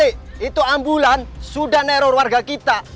eh itu ambulan sudah neror warga kita